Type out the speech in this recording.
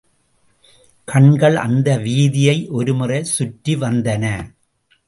கண்கள் அந்த வீதியை ஒருமுறை சுற்றி வந்தன.